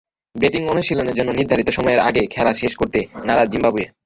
Batting অনুশীলনের জন্য নির্ধারিত সময়ের আগে খেলা শেষ করতে নারাজ জিম্বাবুয়ে।